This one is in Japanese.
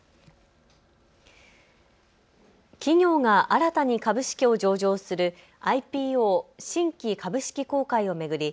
企業が新たに株式を上場するＩＰＯ・新規株式公開を巡り